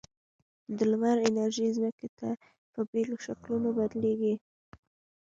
د لمر انرژي ځمکې ته په بېلو شکلونو بدلیږي.